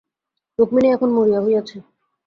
রুক্মিণী এখন মরিয়া হইয়াছে।